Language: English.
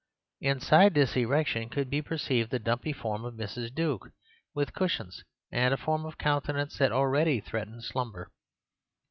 Inside this erection could be perceived the dumpy form of Mrs. Duke, with cushions and a form of countenance that already threatened slumber.